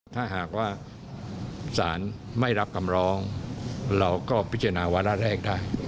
ถ้าหากว่าสารไม่รับคำร้องเราก็พิจารณาวาระแรกได้